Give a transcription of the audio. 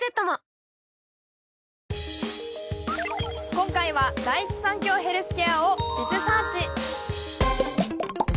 今回は第一三共ヘルスケアを。